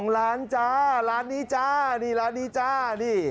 ๑๒ล้านล้านนี่จ้า